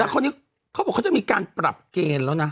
แต่คราวนี้เขาบอกเขาจะมีการปรับเกณฑ์แล้วนะ